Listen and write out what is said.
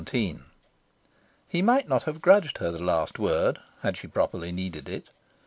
XVII He might not have grudged her the last word, had she properly needed it.